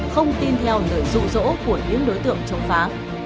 không tin theo lời rụ rỗ của những đối tượng chống phá